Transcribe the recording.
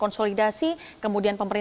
kemudian di dalam perjalanan ke negara